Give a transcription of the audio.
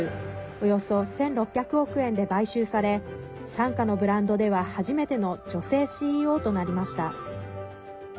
およそ１６００億円で買収され傘下のブランドでは初めての女性ＣＥＯとなりました。